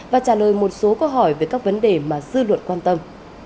và trả lời một số câu hỏi về các vấn đề mà dư luận quan tâm